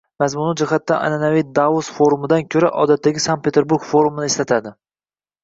mazmuni jihatidan, an'anaviy Davos forumidan ko'ra, odatdagi Sankt -Peterburg forumini eslatadi